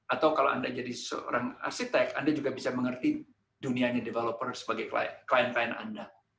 atau kalau anda jadi seorang arsitek anda juga bisa mengerti dunianya developer sebagai klien klien anda